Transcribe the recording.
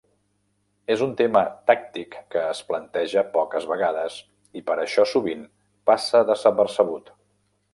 És un tema tàctic que es planteja poques vegades, i per això sovint passa desapercebut.